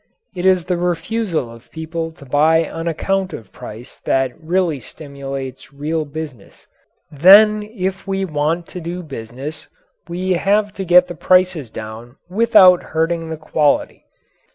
It is the refusal of people to buy on account of price that really stimulates real business. Then if we want to do business we have to get the prices down without hurting the quality.